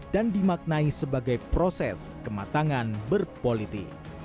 dan dimaknai sebagai proses kematangan berpoliti